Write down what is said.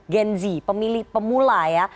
gen z pemula ya